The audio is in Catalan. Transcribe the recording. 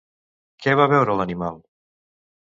Què va veure l'animal?